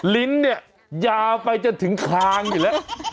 ลิ้นเนี่ยยาวไปจนถึงคางอยู่แล้ว